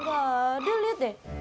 enggak dia lihat deh